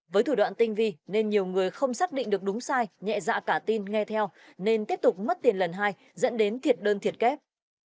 với thủ đoạn tinh vi nên nhiều người không xác định được đúng sai nhẹ dạ cả tin nghe theo nên tiếp tục mất tiền lần hai dẫn đến thiệt đơn thiệt kép